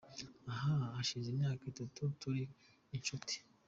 Ahaaaa hashize imyaka itatu turi inshuti.